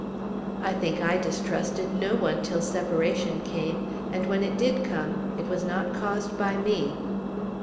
"I think I distrusted no one till separation came, and when it did come it was not caused by me."